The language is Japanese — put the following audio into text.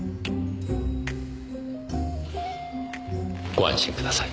ご安心ください。